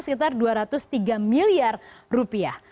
sekitar dua ratus tiga miliar rupiah